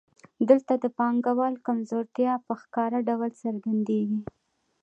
دلته د پانګوال کمزورتیا په ښکاره ډول څرګندېږي